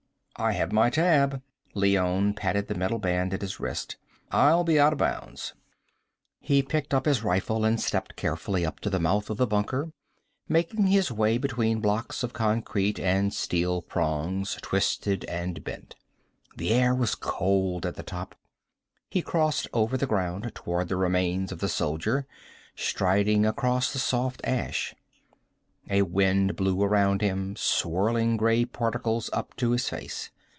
"I have my tab." Leone patted the metal band at his wrist. "I'll be out of bounds." He picked up his rifle and stepped carefully up to the mouth of the bunker, making his way between blocks of concrete and steel prongs, twisted and bent. The air was cold at the top. He crossed over the ground toward the remains of the soldier, striding across the soft ash. A wind blew around him, swirling gray particles up in his face.